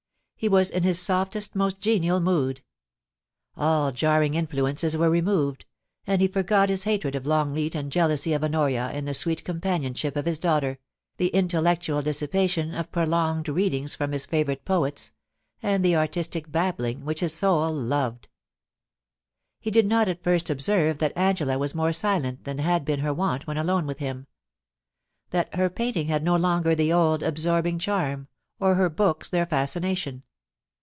He was in his softest, most genial mood. All jarring influences were removed ; and he forgot his hatred of Longleat and jealousy of Honoria in the sweet companionship of his daughter, the intellectual dissipation of prolonged readings from his favourite poets, and the artistic babbling which his soul loved He did not at first observe that Angela was more silent than had been her wont when alone with him ; that her painting had no longer the old absorbing charm, or her books their fascination.